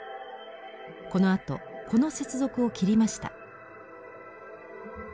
このあとこの接続を切りました。